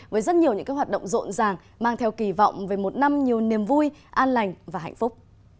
với rất nhiều những hoạt động rộn ràng mang theo kỳ vọng về một năm nhiều niềm vui an lành và hạnh phúc